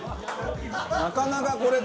なかなかこれ。